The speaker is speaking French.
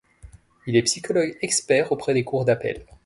Il est psychologue expert auprès des cours d’appel.